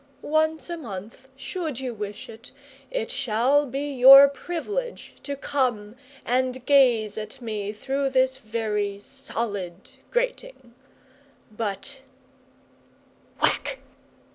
Once a month, should you wish it, it shall be your privilege to come and gaze at me through this very solid grating; but " WHACK!